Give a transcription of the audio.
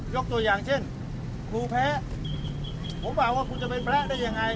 ตัวอย่างเช่นครูแพ้ผมบอกว่าคุณจะเป็นพระได้ยังไง